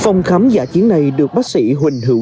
phòng khám giả chiến này được bác sĩ huỳnh hữu